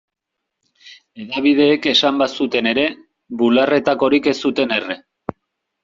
Hedabideek esan bazuten ere, bularretakorik ez zuten erre.